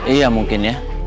iya mungkin ya